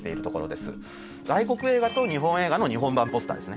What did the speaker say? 外国映画と日本映画の日本版ポスターですね。